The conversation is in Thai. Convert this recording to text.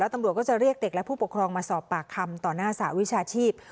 ตำรวจก็จะเรียกเด็กและผู้ปกครองมาสอบปากคำต่อหน้าสหวิชาชีพ